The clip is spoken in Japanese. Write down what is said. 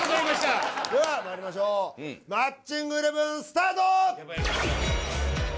ではまいりましょうマッチング１１スタート！